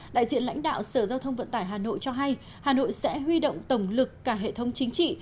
đại diện lãnh đạo sở giao thông vận tải hà nội cho hay hà nội sẽ huy động tổng lực cả hệ thống chính trị